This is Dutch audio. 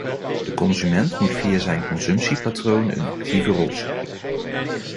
De consument moet via zijn consumptiepatroon een actieve rol spelen.